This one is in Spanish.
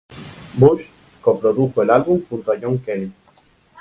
Bush co-produjo el álbum juntó a Jon Kelly.